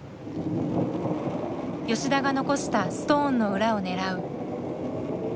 吉田が残したストーンの裏を狙う。